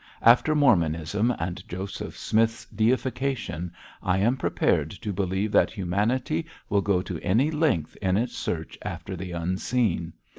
After Mormonism and Joseph Smith's deification, I am prepared to believe that humanity will go to any length in its search after the unseen.